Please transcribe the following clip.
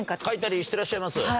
書いたりしてらっしゃいます？